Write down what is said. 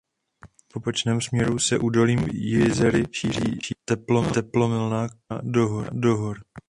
V opačném směru se údolím Jizery šíří teplomilná květena do hor.